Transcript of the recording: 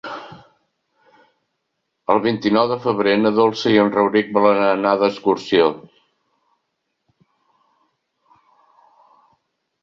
El vint-i-nou de febrer na Dolça i en Rauric volen anar d'excursió.